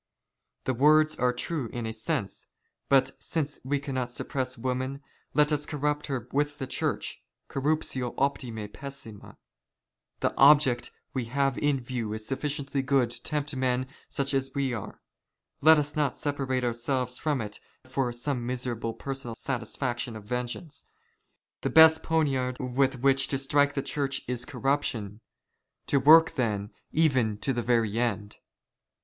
The words " are true in a sense ; but since we cannot suppress woman, let " us corrupt her with the Church, corruptio ojJthiii jy^ssima. " The object we have in view is sufficiently good to tempt men " such as we are ; let us not separate ourselves from it for some *' miserable personal satisfaction of vengeance. The best poniard '* with which to strike the Church is corruption. To the work *' then, even to the very end."